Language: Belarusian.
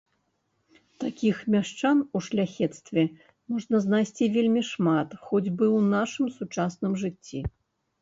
Такіх мяшчан у шляхецтве можна знайсці вельмі шмат хоць бы ў нашым сучасным жыцці.